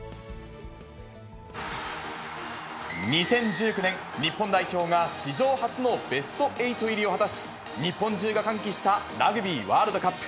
２０１９年、日本代表が史上初のベスト８入りを果たし、日本中が歓喜したラグビーワールドカップ。